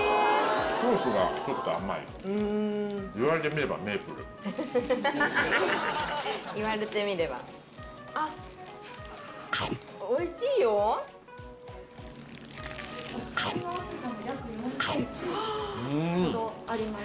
ソースがちょっと甘い言われてみればメープルハハハ言われてみればあっおいしいよ・肉の厚さは約４ｃｍほどあります